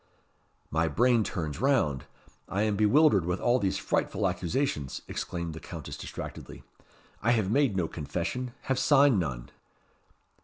"My brain turns round. I am bewildered with all these frightful accusations," exclaimed the Countess distractedly. "I have made no confession, have signed none."